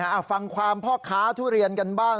เอาฟังความพ่อค้าทุเรียนกันบ้าง